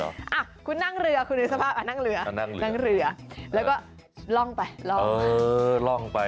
อ่ะคุณนั่งเรือคุณในสภาพนั่งเรือนั่งเรือแล้วก็ล่องไปล่องเออล่องไป